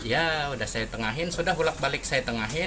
ya udah saya tengahin sudah bolak balik saya tengahin